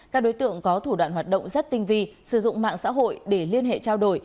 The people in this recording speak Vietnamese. các đối tượng có thủ đoạn hoạt động rất tinh vi sử dụng mạng xã hội để liên hệ trao đổi